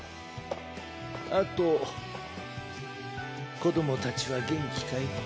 あと子どもたちは元気かい？